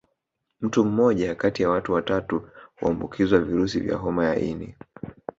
Mtu mmoja kati ya watu watatu huambukizwa virusi vya homa ya ini